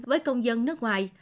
với công dân nước ngoài